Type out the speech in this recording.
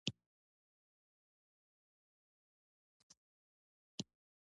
د بیو کنټرول چې ښاري ټاکنیزو حوزو ته ارزانه خواړه عرضه کړي.